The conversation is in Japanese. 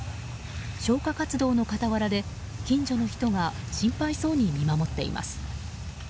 消火活動の傍らで、近所の人が心配そうに見守っています。